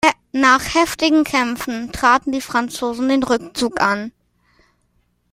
Nach heftigen Kämpfen traten die Franzosen den Rückzug an.